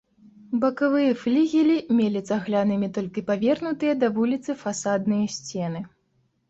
Бакавыя флігелі мелі цаглянымі толькі павернутыя да вуліцы фасадныя сцены.